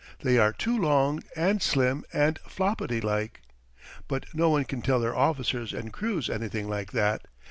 They are too long and slim and floppety like. But no one can tell their officers and crews anything like that.